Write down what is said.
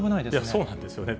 そうなんですよね。